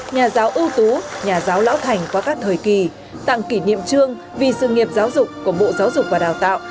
nhà giáo ưu tú nhà giáo lão thành qua các thời kỳ tặng kỷ niệm trương vì sự nghiệp giáo dục của bộ giáo dục và đào tạo